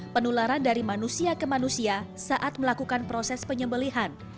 penularan dari manusia ke manusia saat melakukan proses penyembelihan